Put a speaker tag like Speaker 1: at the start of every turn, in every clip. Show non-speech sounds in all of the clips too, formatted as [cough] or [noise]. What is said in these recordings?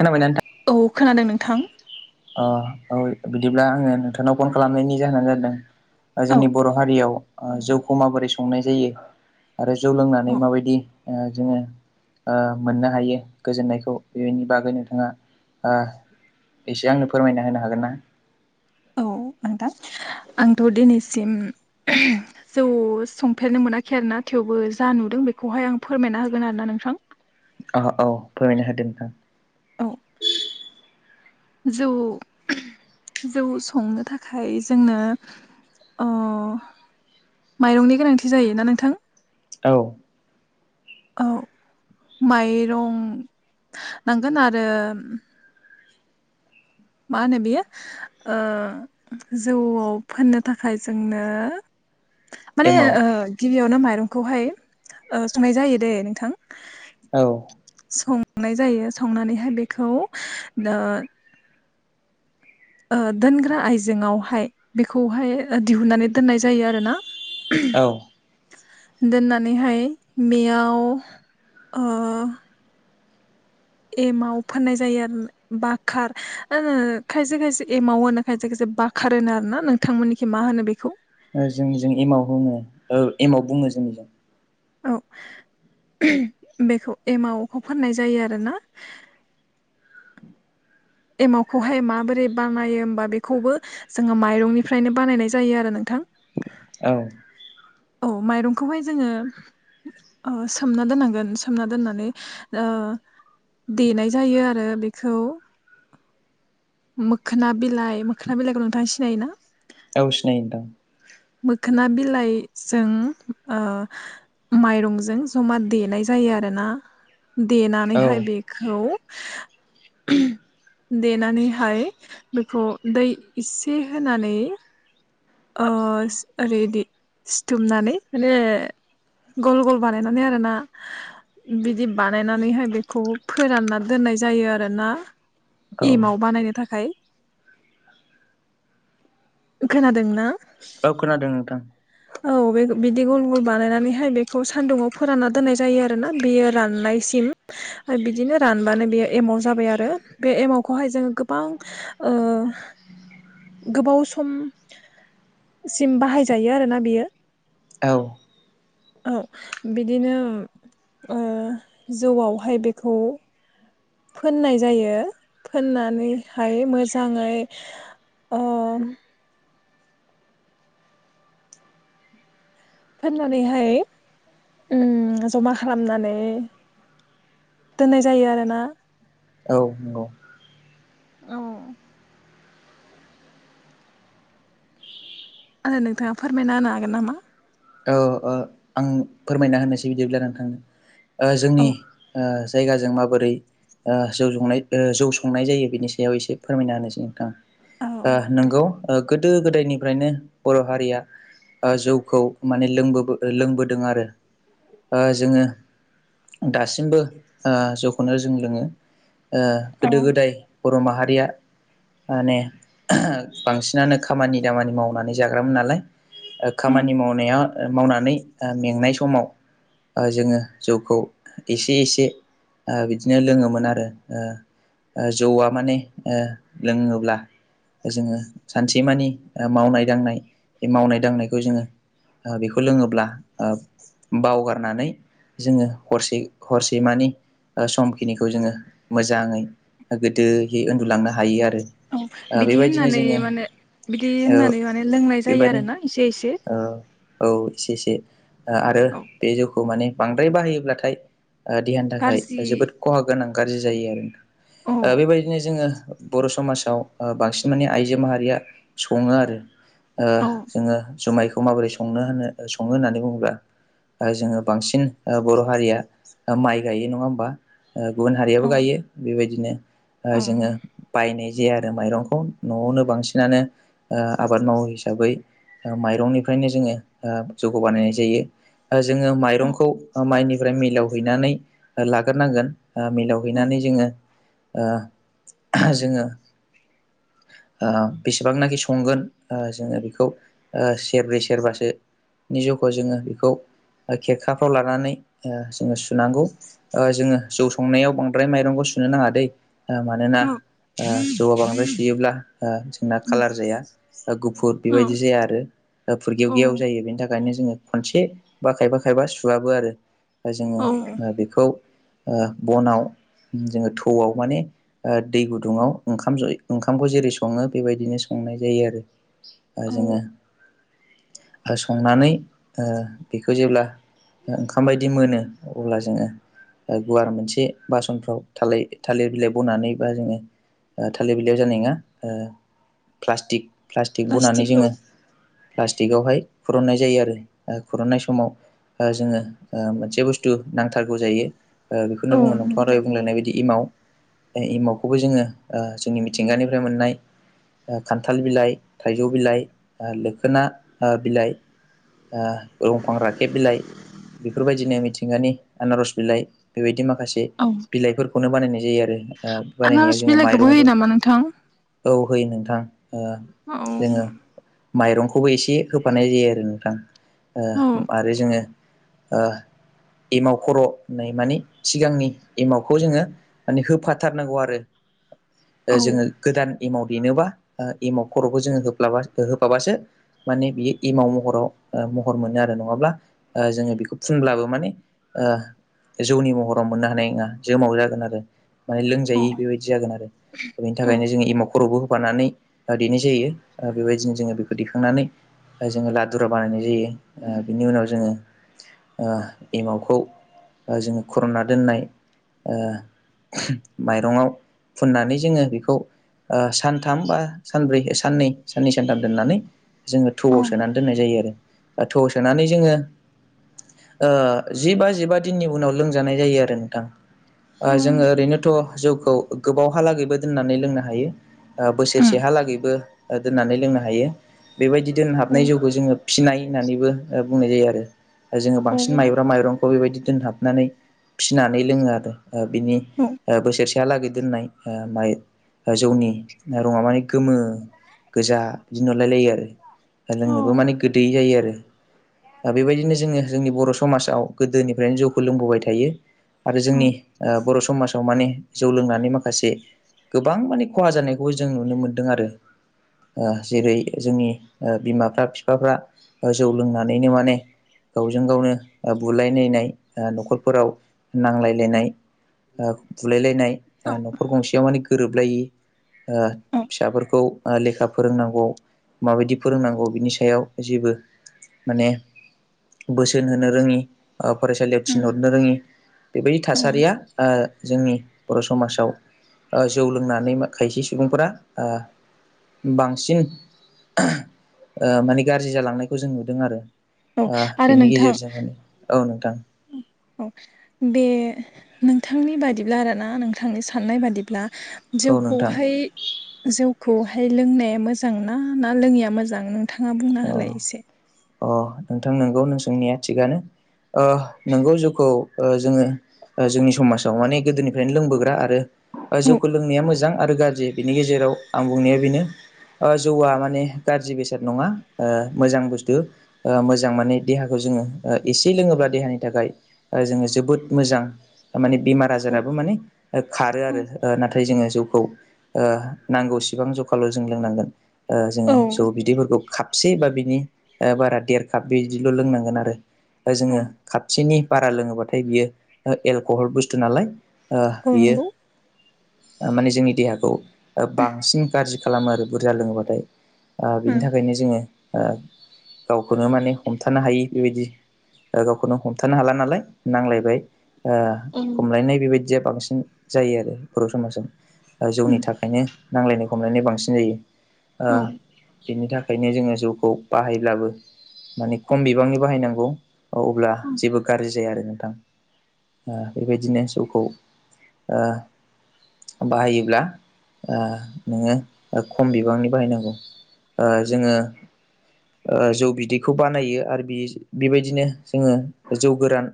Speaker 1: खोनाबायना नों थां?
Speaker 2: औ खोनादों नोंथां।
Speaker 1: अ औ बिदिब्ला आङो नोंथांनाव फन खालामनायनि जाहोनानो जादों ओ
Speaker 2: औ
Speaker 1: जोंनि बर' हारियाव ओ जौखौ माबोरै संनाय जायो आरो जौ लोंनानै
Speaker 2: औ
Speaker 1: माबायदि ओ जोङो ओ मोननो हायो गोजोननायखौ बेनि बागै नोंथाङा ओ एसे आंनो फोरमायना होनो हागोन ना?
Speaker 2: आंदा आंथ' दिनैसिम जौ संफेरनो मोनाखै आरोना थेवबो जा नुदों बेखौहाय आं फोरमायना होगोन आरोना नोंथां।
Speaker 1: अ'औ फोरमायनो होदो नोंथां
Speaker 2: औ
Speaker 1: [inaudible]
Speaker 2: जौ जौ संनो थाखाय जोंनो अ' माइरंनि गोनांथि जायो ना नोंथां?
Speaker 1: औ
Speaker 2: औ माइरं नांगोन आरो मा होनो बियो ओ जौआव फोननो थाखाय जोंनो माने
Speaker 1: एमाव
Speaker 2: ओ गिबियावनो माइरंखौहाय ओ संनाय जायो दे नोंथां
Speaker 1: औ
Speaker 2: संनाय जायो संनानैहाय बेखौ दा दोनग्रा आइजेंआवहाय बेखौहाय दिहुननानै दोननाय जायो आरो ना
Speaker 1: औ
Speaker 2: दोननानैहाय बेयाव एमाव फोननाय जायो आरो बकार खायसे खायसे एमाव होनो खायसे खायसे बा खारनो आरो ना नोंथांमोननिखि मा होनो बेखौ
Speaker 1: जोंनिजों एमाव होनो ओ एमव बुङो जोंनिजों
Speaker 2: औ बेखौ एमाखौ फाननाय जायो आरो ना एमावखौहाय माबोरै बानायो होमबा बेखौबो जोङो माइरंनिफ्रायनो बानायनाय जायो आरो नोंथां।
Speaker 1: औ
Speaker 2: औ माइरंखौहाय जोङो। सोमना दोननांगोन सोमना दोननानै देनाय जायो आरो बेखौ मोखोना बिलाइ मोखोना बिलाइखौ नोंथां सिनायोना
Speaker 1: एव सिनायो दां
Speaker 2: मोखोना बिलाइजों माइरंजों जमा देनाय जायो आरोना देनानैहाय
Speaker 1: औ
Speaker 2: बेखौ
Speaker 1: [unintelligible]
Speaker 2: देनानैहाय बेखौ दै एसे होनानै ओरैदि सिथुमनानै गल गल बानायनानै आरोना बिदि बानायनानैहाय बेखौ फोरानना दोननाय जायो आरोना
Speaker 1: औ
Speaker 2: एम आव बानायनो थाखाय
Speaker 1: [unintelligible]
Speaker 2: खोनादोंना
Speaker 1: औ खोनादों नोंथां
Speaker 2: औ बे बिदि गल गल बानायनानैहाय बेखौ सान्दुंङाव फोरानना दोननाय जायो आरो ना बेयो राननायसिम बिदिनो रानबानो बेयो एमाव जाबाय आरो बे एमावखौहाय जोङो गोबां गोबाव सम सिम बाहायजायो आरोना बियो
Speaker 1: औ
Speaker 2: औ बिदिनो जौआवहाय बेखौ फोननाय जायो फोननानैहाय मोजाङै फाननानैहाय जमा खालामनानै दोननाय जायो आरोना
Speaker 1: औ नंगौ
Speaker 2: औ आरो नोंथाङा फोरमायना होनो हागोन नामा
Speaker 1: आं फोरमायना होनोसै बिदिब्ला नोंथांनो
Speaker 2: औ
Speaker 1: जोंनि जायगाजों माबोरै जौ संनाय जौ संनाय जायो बेनि सायाव एसे फोरमायना होनोसै नोंथां
Speaker 2: औ दे
Speaker 1: नोंगौ गोदो गोदायनिफ्रायनो बर' हारिया जौखौ माने लों लोंबोदों आरो जोङो दासिमबो जौखौनो जों लोङो
Speaker 2: औ
Speaker 1: गोदो गोदाय बर' माहारिया माने बांसिनानो खामानि दामानि मावनानै जाग्रामोन नालाय
Speaker 2: उम
Speaker 1: खामानि मावनाया मावनानै मेंनाय समाव जोङो जौखौ एसे एसे बिदिनो लोङोमोन आरो जौआ माने लोङोब्ला जोङो सानसेमानि मावनाय दांनाय बे मावनाय दांनायखौ जोङो बेखौ लोङोब्ला बावगारनानै जोङो हरसे हरसेमानि ओ समखिनिखौ जोङो मोजाङै गोदोयै उन्दुलांनो हायो आरो
Speaker 2: औ
Speaker 1: ओ
Speaker 2: बिदि
Speaker 1: बेबायदिनो
Speaker 2: होननानै
Speaker 1: जोङो
Speaker 2: माने बिदि
Speaker 1: ओ
Speaker 2: होननानै माने लोंनाय जायो
Speaker 1: बेबायदि
Speaker 2: आरोना इसे एसे
Speaker 1: ओ औ एसे एसे आ आरो
Speaker 2: औ
Speaker 1: बे जौखौ माने बांद्राय बाहायोब्लाथाय ओ देहानि थाखाय
Speaker 2: गाज्रि
Speaker 1: जोबोद खहा गोनां गाज्रि जायो आरो
Speaker 2: औ
Speaker 1: ओ बेबायदिनो जोङो बर' समासाव बांसिन माने आइजो माहारिया सङो आरो ओ
Speaker 2: औ
Speaker 1: जोङो जुमायखौ माबोरै संनो होनो सङो होननानै बुङो ओ जोङो बांसिन बर' हारिया ओ माइ गायो नङा होमबा ओ गुबुन हारियाबो
Speaker 2: औ
Speaker 1: गायो बेबायदिनो ओ
Speaker 2: औ
Speaker 1: जोङो बायनाय जे आरो माइरंखौ न'आवनो बांसिनानो ओ आबाद मावो हिसाबै ओ माइरंनिफ्रायनो जोङो ओ जौखौ बानायनाय देयो ओ जोङो
Speaker 2: औ
Speaker 1: माइरंखौ ओ माइनिफ्राय मिलाव हैनानै ओ लाग्रोनांगोन ओ मिलावहैनानै जोङो ओ जोङो ओ बेसेबांनाखि संगोन ओ जोङो बेखौ ओ सेरब्रै सेरबासो नि जउखौ जोङो बेखौ ओ खेरखाफ्राव लानानै ओ जोङो सुनांगौ ओ जोङो जौ संनायाव बांद्राय माइरंखौ सुनो नाङा दै ओ मानोना
Speaker 2: औ
Speaker 1: ओ जौआ बांद्राय सुयोब्ला ओ जोंना कालार जाया गुफुर बेबायदि जाया आरो फुरगेव
Speaker 2: औ
Speaker 1: गेव जायो बेनि थाखायनो जोङो खनसे बा खायफा खायफा सुवाबो आरो ओ जोङो
Speaker 2: औ
Speaker 1: बेखौ ओ बनाव जोङो थौआव माने ओ दै गुदुङाव ओंखाम जयै ओंखामखौ जेरै सङो बेबायदिनो संनाय जायो आरो ओ जोङो
Speaker 2: औ
Speaker 1: संनानै ओ बेखौ जेब्ला ओ ओंखाम बायदि मोनो अब्ला जोङो ओ गुवार मोनसे बासनफ्राव थालि थालिर बिलाइ बनानै बा जोङो ओ थालिर बिलाइयाव जानाय नङा ओ प्लास्टिक प्लास्टिक बनानै जोङो। प्लास्टिकआवहाय फुरुननाय जायो आरो ओ खुर'ननाय समाव ओ जोङो ओ मोनसे बुस्थु नांथारगौ जायो ओ बेखौनो
Speaker 2: औ
Speaker 1: बुङो नोंथाङा दहाय बुंलांनाय बायदि इमाव बे इमावखौबो जोङो ओ जोंनि मिथिंगानिफ्राय मोननाय। ओ खान्थाल बिलाइ, थाइजौ बिलाइ, ओ लोखोना ओ बिलाइ ओ दंफां राखेब बिलाइ, बेफोरबायदिनो मिथिंगानि आनारस बिलाइ बेबायदि माखासे
Speaker 2: औ
Speaker 1: बिलाइफोरखौनो बानायनाय जायो आरो ओ
Speaker 2: आनारस
Speaker 1: बानायनायाव जोङो
Speaker 2: बिलाइखौबो होयो
Speaker 1: माइरंबो
Speaker 2: नामा नोंथां
Speaker 1: औ होयो नोंथां ओ
Speaker 2: औ
Speaker 1: जोङो माइरंखौबो एसे होफानाय जायो आरो नोंथां। ओ
Speaker 2: औ
Speaker 1: आरो जोङो ओ एमाव खर' होननाय मानि सिगांनि एमावखौ जोङो माने होफाथारनांगौ आरो
Speaker 2: औ
Speaker 1: ओ जोङो गोदान एमाव देनोबा ओ एमाव खर'खौ जोङो होफ्लाबा होफाबासो माने बियो एमाव महराव ओ महर मोनो आरो नङाब्ला ओ जोङो बेखौ फुनब्ला माने ओ जौनि महराव मोननो हानाय नङा जोमाव जागोन आरो माने लोंजायै बेबायदि जागोन आरो दा बेनि
Speaker 2: औ
Speaker 1: थाखायनो जोङो एमाव खर'बो होफानानै ओ दैनाय जायो बेबायदिनो जोङो बेखौ दैखांनानै ओ जोङो लादुराब बानायनाय जायो ओ बिनि उनाव जोङो ओ एमावखौ ओ जोङो खुर'नना दोननाय ओ माइरंआव फुननानै जोङो बेखौ ओ सानथाम बा सानब्रै साननै साननै सानथाम दोननानै जोङो
Speaker 2: औ
Speaker 1: थौआव सोनानै दोननाय जायो आरो ओ थौआव सोनानै जोङो ओ जिबा जिबा दिननि उनाव लोंजानाय जायो आरो नोंथां। ओ जोङो ओरैनोथ' जौखौ गोबावहालागैबो दोननानै लोंनो हायो ओ
Speaker 2: उम
Speaker 1: बोसोरसेहालागैबो दोननानै लोंनो हायो बेबायदि
Speaker 2: औ
Speaker 1: दोनहाबनाय जौखौ जोङो फिनाय होननानैबो बुंनाय जायो आरो जोङो
Speaker 2: औ
Speaker 1: बांसिन माइब्रा माइरं खौ बेबायदि दोनहाबनानै फिसिनानै लोङो आरो बिनि
Speaker 2: औ
Speaker 1: बोसोरसेहालागै दोननाय म जौनि रङा माने गोमो गोजा बिदिनो अरलायलायो आरो लोंनोबो माने
Speaker 2: औ
Speaker 1: गोदैयै जायो आरो दा बेबायदिनो जोङो जोंनि बर' समाजाव गोदोनिफ्रायनो जौखौ लोंबोबाय थायो आरो जोंनि
Speaker 2: औ
Speaker 1: बर' समाजाव माने जौ लोंनानै माखासे गोबां माने खहा जानायखौबो जों नुनो मोन्दों आरो ओ जेरै जोंनि ओ बिमाफ्रा बिफाफ्रा जौ लोंनानैनो माने गावजों गावनो बुलायलायनाय नखरफोराव नांज्लायलायनाय बुलायलायनाय नखर गंसेयाव माने गोरोबलायि फिसाफोरखौ लेखा फोरोंनांगौ माबायदि फोरोंनांगौ बिनि सायावै आयाव जेबो माने बोसोन होनो रोङि फरायसालियाव थिनहरनो रोङि बेबायदि थासारिया जोंनि बर' समाजाव जौ लोंनानै खायसे सुबुंफोरा बांसिन माने गाज्रि जालांनायखौ जों नुदों आरो
Speaker 2: औ आरो
Speaker 1: बेनि
Speaker 2: नोंथां
Speaker 1: गेजेरजों माने औ नोंथां
Speaker 2: औ बे नोंथांनि बादिब्ला आरोना नोंथांनि साननाय बादिब्ला
Speaker 1: औ नोंथां
Speaker 2: जौखौहाय जौखौहाय लोंनाया मोजांनाा ना लोङैया मोजां न नोंथाङा बुंना
Speaker 1: औ
Speaker 2: होलाय एसे
Speaker 1: अ नोंथां नोंगौ नों सोंनिया थिगानो नोंगौ जउखौ जोङो जोंनि समाजाव माने गोदोनिफ्रायनो लोंबोग्रा आरो
Speaker 2: औ
Speaker 1: ज फोरोंनाया मोजां आरो गाज्रि बिनि गेजेराव आं बुंनाया बेनो जौवआ माने गाज्रि बेसाद नङा मोजां बुस्थु मोजां माने देहाखौ जोङो एसे लोङोब्ला देहानि थाखाय जोङो जोबोद मोजां माने बेमार आजाराबो माने खारो आरो
Speaker 2: औ
Speaker 1: नाथाय जोङो जौखौ नांगौसेबां जखाल' जों लोंनांगोन जोङो स' बिदैफोरखौ खाबसे बा बिनि बारा देरखाब बि बिदिल' लोंनांगोन आरो
Speaker 2: औ
Speaker 1: जोङो खापसेनि बारा लोङोबाथाय बियो एलक'हल बुस्थु नालाय
Speaker 2: औ
Speaker 1: बियो
Speaker 2: नंगौ
Speaker 1: माने जोंनि देहाखौ बांसिन गाज्रि खालामो आरो बुरजा लोङोबाथाय बिनि थाखायनो जोङो गावखौनो माने हमथानो हायो बेबायदि गावखौनो हमथानो हाला नालाय नांलायबाय
Speaker 2: ए
Speaker 1: फायनाय बेबायदिया बांसिन जायो आरो बर' समाजाव जौनि थाखायनो नांजलायनाय खमलायनाय बांसिन जायो बेनि थाखायनो जोङो जौखौ बाहायब्लाबो माने खम बिबांनि बाहायनांगौ औ अब्ला जेबो गाज्रि जाया आरो नोंथां बेबायदिनो जौखौ बाहायोब्ला नोङो खम बिबांनि बाहायनांगौ जोङो जौ बिदैखौ बानायो आरो बे बेबायदिनो जोङो जौ गोरान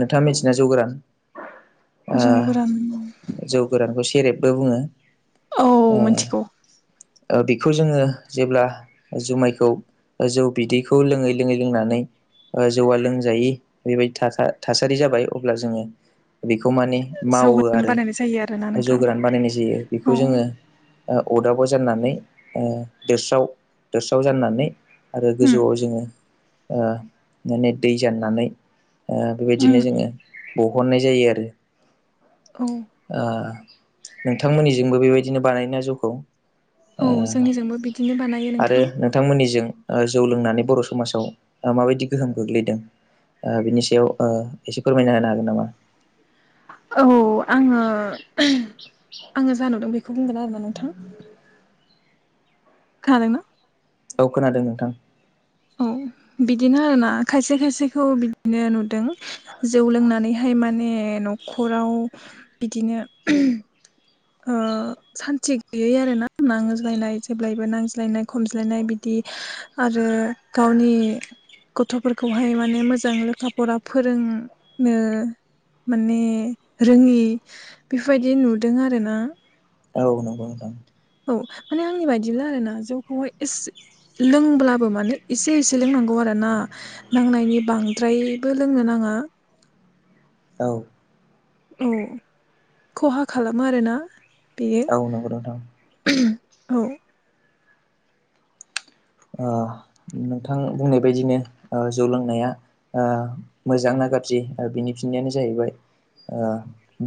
Speaker 1: नोंथाङा मिथिना जौ गोरान ओ
Speaker 2: जौ गोरान
Speaker 1: जौ गोरानखौ सेरेबबो बुङो
Speaker 2: औ मिथिगौ
Speaker 1: ओ बेखौ जोङो जेब्ला जुमायखौ जौ बिदैखौ लोङै लोङै लोंनानै ओ जौआ लोंजायि बेबायदि थासा थासारि जाबाय अब्ला जोङो बेखौ माने
Speaker 2: जौ
Speaker 1: मावो
Speaker 2: गोरान
Speaker 1: आरो
Speaker 2: बानायनाय जायो आरोना
Speaker 1: जौ
Speaker 2: नोंथां
Speaker 1: गोरान बानायनाय जायो
Speaker 2: औ
Speaker 1: बेखौ जोङो ओ अदाबो जाननानै ओ दोस्राव दोस्राव जाननानै आरो
Speaker 2: उम
Speaker 1: गोजौआव जोङो माने दै जाननानै ओ
Speaker 2: उम
Speaker 1: बेबायदिनो जोङो बहननाय जायो आरो
Speaker 2: औ
Speaker 1: ओ नोंथांमोननिजोंबो बेबायदिनो बानायोना जौखौ
Speaker 2: बो बिदिनो बानायो
Speaker 1: आरो
Speaker 2: नोंथां।
Speaker 1: नोंथांमोननिजों जौ लोंनानै बर' समाजाव माबायदि गोहोम गोग्लैदों? ओ बिनि सायाव ओ इसे फोरमायना होनो हागोन नामा।
Speaker 2: औ आङो आङो जा नुदों बेखौ बुंगोन आरोना नोंथां खादों ना?
Speaker 1: औ खोनादों नोंथां।
Speaker 2: औ बिदिनो आरोना खायसे खायसेखौ बिदिनो नुदों। जौ लोंनानैहाय माने न'खराव बिदिनो ओ सान्थि गैयै आरोना नांज्लायनाय जेब्लायबो नांज्लायनाय खमज्लायनाय बिदि आरो गावनि गथ'फोरखौहाय माने मोजां लेखा फरा फोरों नो माने रोङि बेफोरबायदि नुदों आरोना
Speaker 1: औ नोंगौ नोंथां
Speaker 2: औ माने आंनि बायदिब्ला आरोना जौखौहाय एसे लोंब्लाबो माने एसे एसे लोंनांगौ आरोना नांनायनि बांद्रायबो लोंनो नाङा।
Speaker 1: औ
Speaker 2: औ खहा खालामो आरोना बेयो
Speaker 1: औ नंगौ नोंथां
Speaker 2: औ
Speaker 1: ओ नोंथां बुंनाय बायदिनो ओ जौ लोंनाया ओ मोजां ना गाज्रि बिनि फिननाययानो जाहैबाय ओ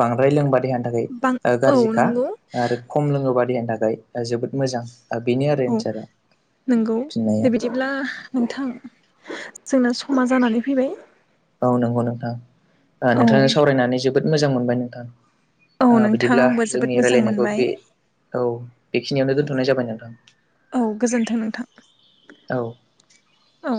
Speaker 1: बांद्राय लोंबा देहानि थाखाय
Speaker 2: बां औ
Speaker 1: गाज्रिखा
Speaker 2: नंगौ
Speaker 1: आरो खम लोङोबा देहानि थाखाय जोबोद मोजां बेनो आरो एन्सारा
Speaker 2: नोंगौ
Speaker 1: फिननाया
Speaker 2: दे बिदिब्ला नोंथां जोंना समा जानानै फैबाय
Speaker 1: औ नंगौ नोंथां
Speaker 2: औ
Speaker 1: नोंथांजों सावरायनानै जोबोद मोजां मोनबाय नोंथां
Speaker 2: औ
Speaker 1: ओ
Speaker 2: नोंथां
Speaker 1: बिदिब्ला
Speaker 2: आंबो जोबोद
Speaker 1: जोंनि
Speaker 2: मोजां
Speaker 1: रायलायनायखौ
Speaker 2: मोनबाय
Speaker 1: बे औ बेखिनियावनो दोनथ'नाय जाबाय नोंथां
Speaker 2: औ गोजोन्थों नोंथां
Speaker 1: औ
Speaker 2: औ